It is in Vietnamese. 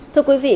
thưa quý vị